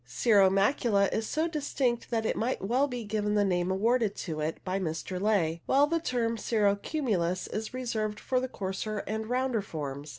Cirro macula is so distinct that it might well be given the name awarded to it by Mr. Ley, while the term " cirro cumulus " is reserved for the coarser and rounder forms.